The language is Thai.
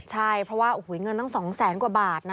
ใช่เพราะว่าเงินต้อง๒๐๐๐๐๐บาท